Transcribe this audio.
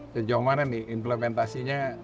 sejauh mana nih implementasinya